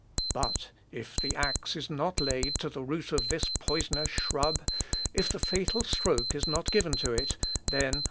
But if the axe is not laid to the root of this poisonous shrub, if the fatal stroke is not given to it, then....